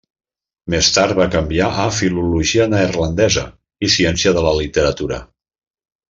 Més tard va canviar a filologia neerlandesa i Ciència de la literatura.